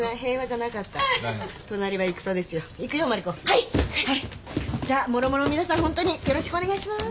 じゃあもろもろ皆さんホントによろしくお願いします。